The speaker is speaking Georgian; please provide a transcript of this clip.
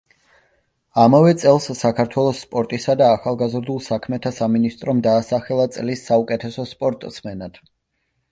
ამავე წელს საქართველოს სპორტისა და ახალგაზრდულ საქმეთა სამინისტრომ დაასახელა წლის საუკეთესო სპორტსმენად.